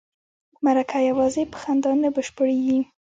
مرکه یوازې په خندا نه بشپړیږي.